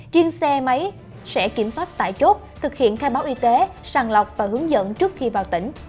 riêng xe máy sẽ kiểm soát tại chốt thực hiện khai báo y tế sàng lọc và hướng dẫn trước khi vào tỉnh